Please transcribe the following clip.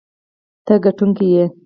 ته ګټونکی یې.